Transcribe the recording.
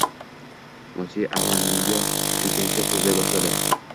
Mos`e Amel menga tikilgancha so`zlay boshladi